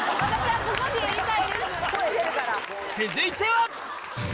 続いては！